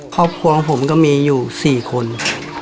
ครอบครัวของผมก็มีอยู่๔คน